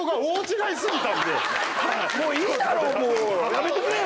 やめてくれよ！